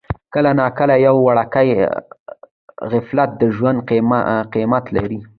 کله ناکله یو وړوکی غفلت د ژوند قیمت لري.